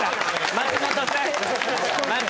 松本さん。